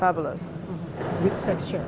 yang paling menarik